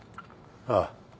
ああ。